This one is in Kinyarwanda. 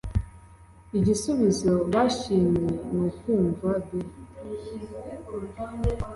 Igisubizo bashimye nukumva b